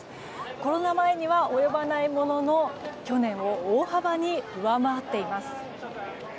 コロナ前には及ばないものの去年を大幅に上回っています。